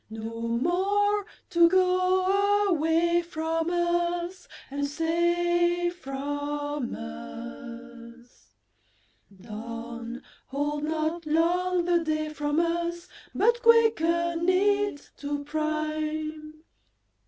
No more to go away from us And stay from us?— Dawn, hold not long the day from us, But quicken it to prime!